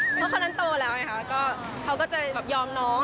เพราะคนนั้นโตแล้วเขาก็จะยอมน้อง